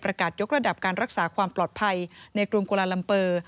ยกระดับการรักษาความปลอดภัยในกรุงกุลาลัมเปอร์